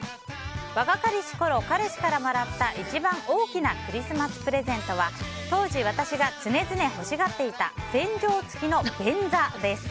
若かりしころ、彼氏からもらった一番大きなクリスマスプレゼントは当時、私が常々欲しがっていた洗浄付きの便座です。